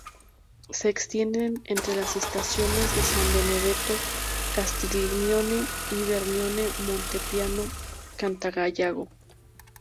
Se extiende entre las estaciones de San Benedetto-Castiglione y Vernio-Montepiano-Cantagallo.